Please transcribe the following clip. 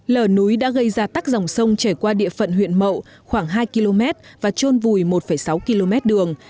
lở núi đã gây ra tắc dòng sông chảy qua địa phận huyện mậu khoảng hai km và trôn vùi một sáu km đường